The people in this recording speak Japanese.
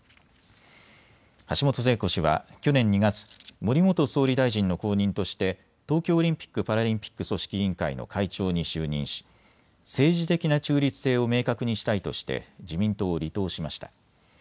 橋本聖子氏は去年２月、森元総理大臣の後任として東京オリンピック・パラリンピック組織委員会の会長に就任し政治的な中立性を明確にしたいとして自民党を離党しました。